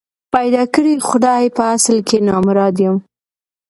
پيدا کړی خدای په اصل کي نامراد یم